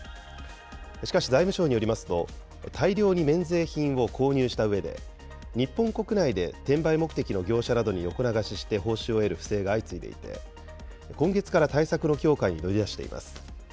しかし財務省によりますと、大量に免税品を購入したうえで、日本国内で転売目的の業者などに横流しして報酬を得る不正が相次いでいて、今月から対策の強化に乗り出しています。